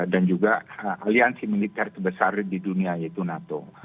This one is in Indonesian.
dan juga aliansi militer terbesar di dunia yaitu nato